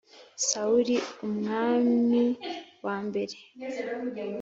Sawuli umwami wa mbere